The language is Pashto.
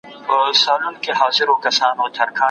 قدرت او منزلت کولای سي د خلګو ژوند بدل کړي.